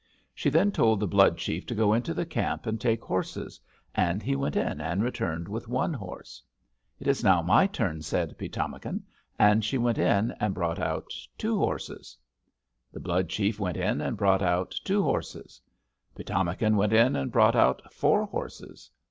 She then told the Blood chief to go into the camp and take horses, and he went in and returned with one horse. "'It is now my turn,' said Pi´tamakan, and she went in and brought out two horses. "The Blood chief went in and brought out two horses. "Pi´tamakan went in and brought out four horses.